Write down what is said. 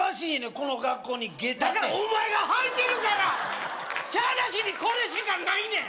この格好に下駄てだからお前が履いてるからしゃあなしにこれしかないねん！